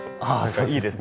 いいですね